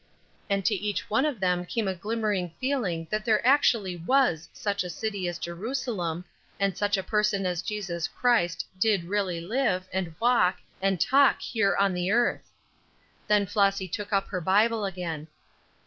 And to each one of them came a glimmering feeling that there actually was such a city as Jerusalem, and such a person as Jesus Christ did really live, and walk, and talk here on the earth. Then Flossy took up her Bible again.